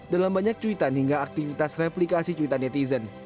dalam banyak cuitan hingga aktivitas replikasi cuitan netizen